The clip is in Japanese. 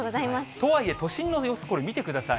とはいえ、都心の様子、これ見てください。